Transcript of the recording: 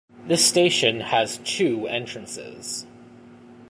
This station has two entrances.